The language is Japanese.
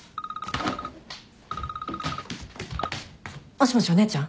もしもしお姉ちゃん？